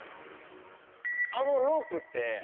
「あのロープって」